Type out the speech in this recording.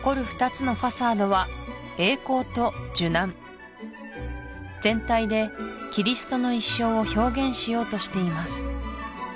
２つのファサードは栄光と受難全体でキリストの一生を表現しようとしています